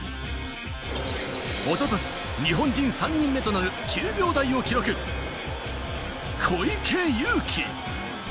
一昨年、日本人３人目となる９秒台を記録、小池祐貴。